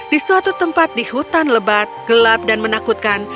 di suatu tempat di hutan lebat gelap dan menakutkan